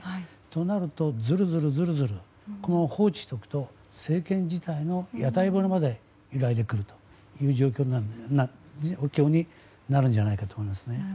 となると、ずるずるずるずるこのまま放置しておくと政権自体の屋台骨まで揺らいでくるという状況になるんじゃないかと思います。